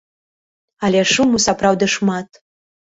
Але шуму сапраўды шмат.